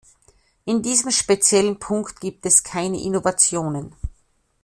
In diesem speziellen Punkt gibt es keine Innovationen.